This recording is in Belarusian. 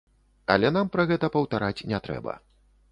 Але нам пра гэта паўтараць не трэба.